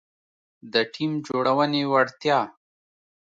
-د ټیم جوړونې وړتیا